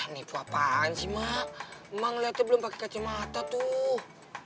nipu apaan sih emak emak ngeliatnya belum pake kacamata tuh